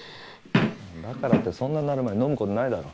だからってそんななるまで飲むことないだろう。